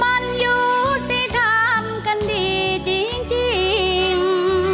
มันอยู่ที่ทำกันดีจริง